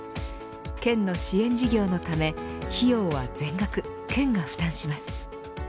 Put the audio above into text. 県の支援事業のため費用は全額、県が負担します。